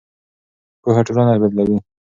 پوهه ټولنه بدلوي.